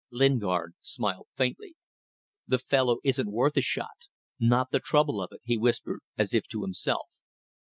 Lingard smiled faintly. "The fellow isn't worth a shot. Not the trouble of it," he whispered, as if to himself.